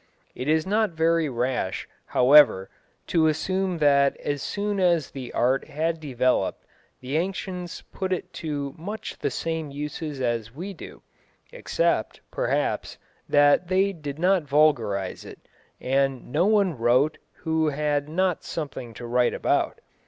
It is not very rash, however, to assume that as soon as the art had developed the ancients put it to much the same uses as we do, except, perhaps, that they did not vulgarise it, and no one wrote who had not something to write about.